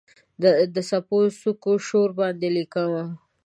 د څپو د څوکو شور باندې لیکمه